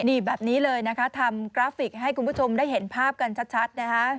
นี่แบบนี้เลยนะคะทำกราฟิกให้คุณผู้ชมได้เห็นภาพกันชัดนะคะ